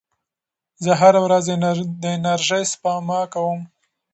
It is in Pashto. زه هره ورځ د انرژۍ سپما کوم.